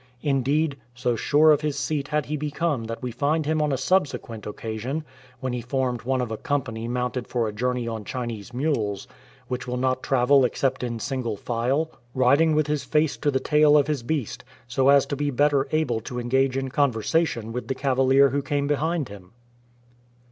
Indeed, so sure of his seat had he become that we find him on a subsequent occasion, when he formed one of a company mounted for a journey on Chinese mules, which will not travel except in single file, riding with his face to the tail of his beast, so as to be better able to engage in conversa tion with the cavalier who came behind him.